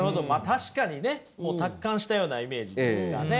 確かにねもう達観したようなイメージですかね。